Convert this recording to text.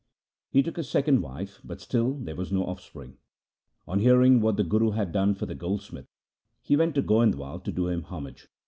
He took a second wife, but still there was no offspring. On hearing what the Guru had done for the goldsmith, he went to Goindwal to do him homage.